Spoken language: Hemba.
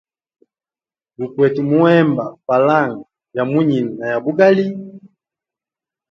Gukwete muhemba falanga ya munyini na ya bugali.